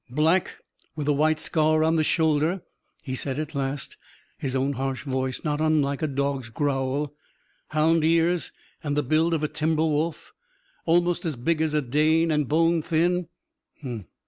"Black, with a white scar on the shoulder?" he said, at last, his own harsh voice not unlike a dog's growl. "Hound ears, and the build of a timber wolf? Almost as big as a Dane; and bone thin?